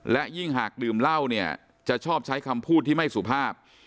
และยิ่งหากดื่มเหล้าเนี่ยจะชอบใช้คำพูดที่ไม่สุภาพ